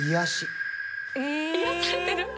癒されてる！